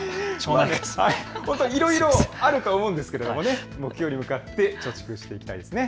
いろいろあると思うんですけど、目標に向かって貯蓄していきたいですね。